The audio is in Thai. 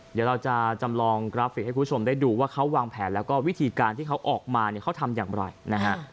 เดี๋ยวเราจะจำลองกราฟิกให้คุณผู้ชมได้ดูว่าเขาวางแผนแล้วก็วิธีการที่เขาออกมาเนี่ยเขาทำอย่างไรนะฮะ